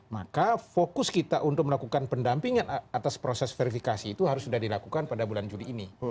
maka fokus kita untuk melakukan pendampingan atas proses verifikasi itu harus sudah dilakukan pada bulan juli ini